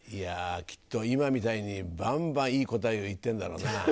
きっと今みたいにバンバンいい答えを言ってんだろうな。